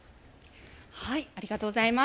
ありがとうございます。